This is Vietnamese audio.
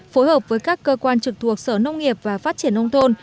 phối hợp với các cơ quan trực thuộc sở nông nghiệp và phát triển nông thôn